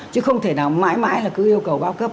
chứ không thể nào mãi mãi là cứ yêu cầu bao cấp